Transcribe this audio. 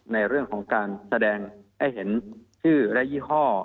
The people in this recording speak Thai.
ในเรื่องของการแสดงให้เห็นชื่อและยี่ห้อ